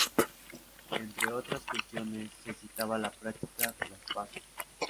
Entre otras cuestiones, se citaba la práctica de las paces.